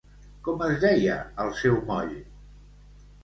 Com es deia el seu moll?